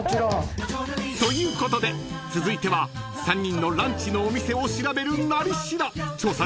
［ということで続いては３人のランチのお店を調べる「なり調」］